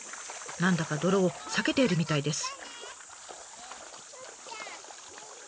何だか泥を避けているみたいです。